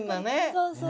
そうそう。